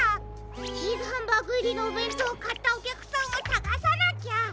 チーズハンバーグいりのおべんとうをかったおきゃくさんをさがさなきゃ！